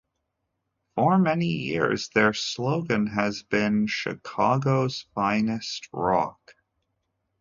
For many years their slogan has been "Chicago's Finest Rock".